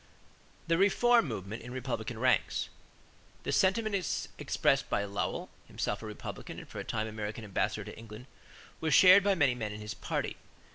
=The Reform Movement in Republican Ranks.= The sentiments expressed by Lowell, himself a Republican and for a time American ambassador to England, were shared by many men in his party.